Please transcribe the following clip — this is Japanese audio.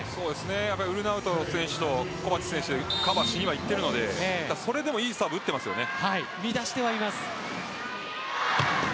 ウルナウト選手とコバチッチ選手カバーにいっているのでそれでもいいサーブ打ってはいます。